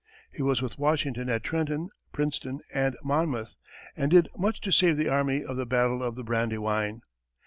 He was with Washington at Trenton, Princeton, and Monmouth, and did much to save the army of the battle of the Brandywine.